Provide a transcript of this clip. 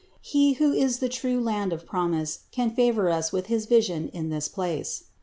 He who is the true land of promise can favor us with his vision in this place.